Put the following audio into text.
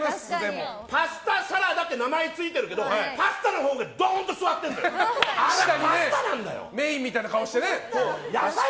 パスタサラダって名前付いてるけどパスタのほうがメインみたいな顔してね。